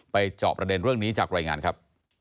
จอบประเด็นเรื่องนี้จากรายงานครับ